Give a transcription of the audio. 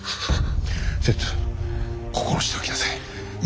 せつ心しておきなさい。